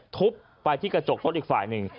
ทุบไปที่กระจกรถอีกฝ่ายหนึ่ง